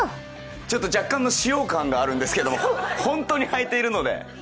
若干の使用感があるんですけれども、本当に履いているので。